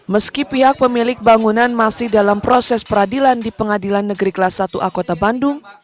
meski pihak pemilik bangunan masih dalam proses peradilan di pengadilan negeri kelas satu a kota bandung